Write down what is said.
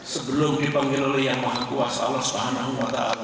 sebelum dipanggil oleh yang maha kuasa allah swt